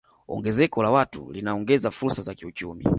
Ongezeko la watu linaongeza fursa za kiuchumi